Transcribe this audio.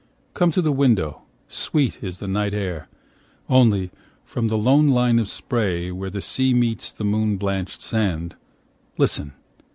5 Come to the window, sweet is the night air! Only, from the long line of spray Where the sea meets the moon blanch'd land, Listen!